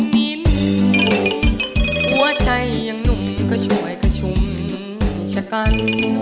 ยิ้มหัวใจอย่างหนุ่มก็ช่วยประชุมชะกัน